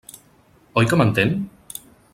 Oi que m'entén?